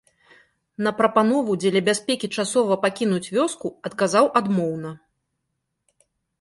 На прапанову дзеля бяспекі часова пакінуць вёску адказаў адмоўна.